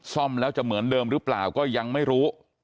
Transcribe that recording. ซ่อมแล้วจะเหมือนเดิมหรือเปล่าก็ยังไม่รู้